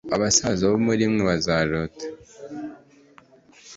abasaza bo muri mwe bazarota